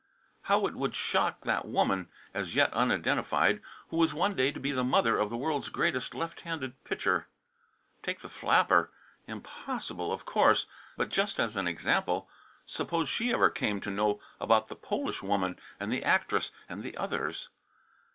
How it would shock that woman, as yet unidentified, who was one day to be the mother of the world's greatest left handed pitcher. Take the flapper impossible, of course, but just as an example suppose she ever came to know about the Polish woman and the actress, and the others!